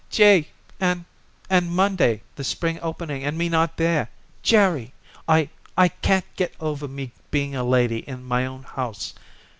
"Gee! and and Monday the spring opening and me not there! Jerry, I I can't get over me being a lady in my own house.